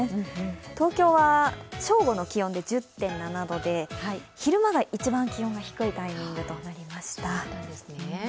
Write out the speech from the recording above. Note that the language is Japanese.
東京は正午の気温で１０．７度で昼間が一番気温が低いタイミングとなりました。